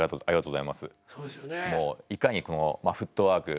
もういかにこのフットワーク。